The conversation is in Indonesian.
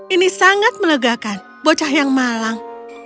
ini sangat melegakan bocah yang malang